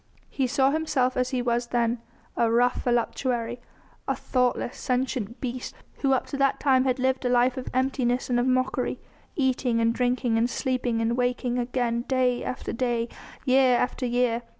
He saw himself as he was then, a rough voluptuary, a thoughtless, sentient beast who up to that time had lived a life of emptiness and of mockery, eating and drinking and sleeping and waking again day after day, year after year.